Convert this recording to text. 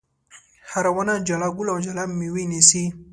هره ونه جلا ګل او جلا مېوه نیسي.